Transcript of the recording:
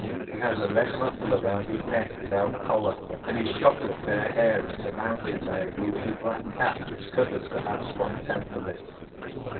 He has a red muffler round his neck without collar, and his shock of fair hair is surmounted by a greasy black cap, which covers perhaps one tenth of it.